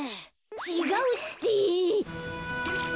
ちがうって！